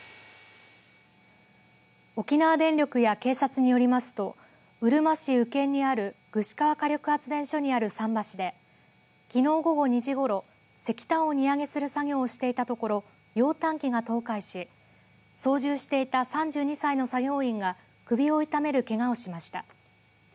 沖縄電力や警察によりますとうるま市宇堅にある具志川火力発電所にある桟橋できのう午後２時ごろ石炭を荷揚げする作業をしていたところ揚炭機が倒壊し操縦していた３２歳の作業員が首を痛めるけがをしました。